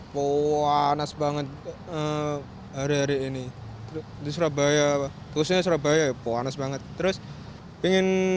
pohon as banget hari hari ini di surabaya khususnya surabaya pohon banget terus ingin